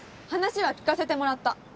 話は聞かせてもらった。